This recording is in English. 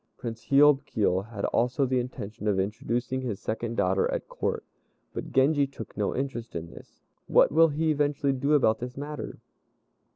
Prince Hiôb Kiô had also the intention of introducing his second daughter at Court, but Genji took no interest in this. What will he eventually do about this matter?